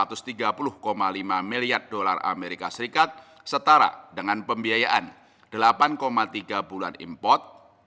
rp satu ratus tiga puluh lima miliar dolar as setara dengan pembiayaan delapan tiga bulan import